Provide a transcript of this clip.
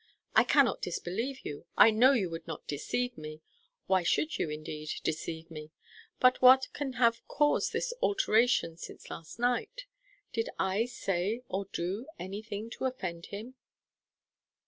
I cannot disbelieve you. I know you would not deceive me. Why should you, indeed, deceive me? But what can have caused this alteration since last night? Did I say or do anything to offend him?"